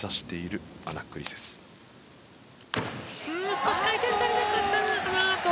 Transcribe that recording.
少し回転が足りなかったかな。